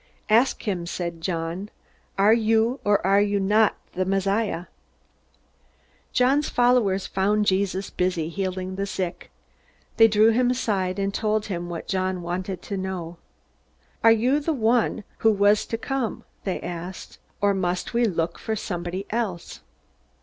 "Ask him," said John, "'Are you or are you not the Messiah?'" John's followers found Jesus busy healing the sick. They drew him aside, and told him what John wanted to know. "Are you the One who was to come," they asked, "or must we look for somebody else?"